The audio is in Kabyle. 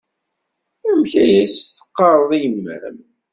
Amek ay as-teɣɣareḍ i yemma-m?